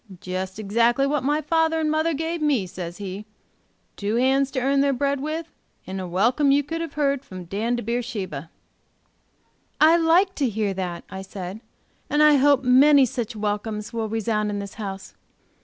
'Jest exactly what my father and mother gave me,' says he; 'two hands to earn their bread with, and a welcome you could have heard from Dan to Beersheba.'" "I like to hear that!" I said. "And I hope many such welcomes will resound in this house.